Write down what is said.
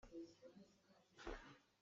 Facang ci kan phawi lai.